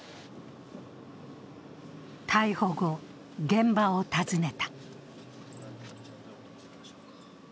逮捕後、現場を訪ねた。